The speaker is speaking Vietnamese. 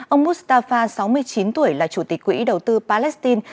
ông mustafa sáu mươi chín tuổi là chủ tịch quỹ đầu tư palestine